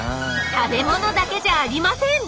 食べ物だけじゃありません！